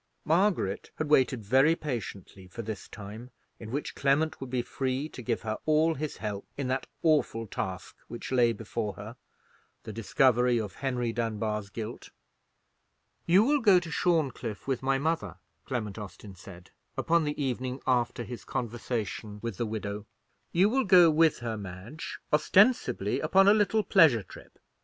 Margaret had waited very patiently for this time, in which Clement would be free to give her all his help in that awful task which lay before her—the discovery of Henry Dunbar's guilt. "You will go to Shorncliffe with my mother," Clement Austin said, upon the evening after his conversation with the widow; "you will go with her, Madge, ostensibly upon a little pleasure trip.